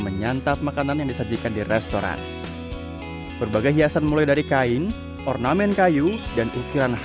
menyantap makanan yang disajikan di restoran berbagai hiasan mulai dari kain ornamen kayu dan ukiran